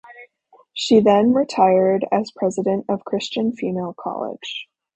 She then retired as president of Christian Female College.